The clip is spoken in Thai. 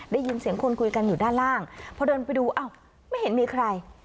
ได้ยินเสียงคนคุยกันอยู่ด้านล่างพอเดินไปดูอ้าวไม่เห็นมีใคร